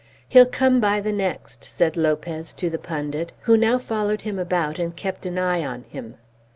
"He'll come by the next," said Lopez to the pundit, who now followed him about and kept an eye on him.